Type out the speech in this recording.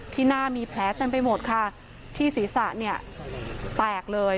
หน้ามีแผลเต็มไปหมดค่ะที่ศีรษะเนี่ยแตกเลย